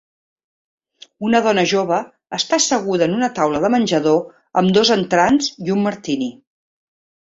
Una dona jove està asseguda en una taula de menjador amb dos entrants i un martini.